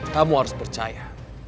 kamu harus percaya